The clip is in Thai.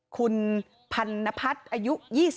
คุณพันธพันธุ์อายุ๒๔